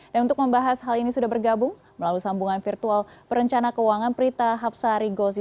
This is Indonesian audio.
dan untuk membahas hal ini sudah bergabung melalui sambungan virtual perencana keuangan prita hapsari gosi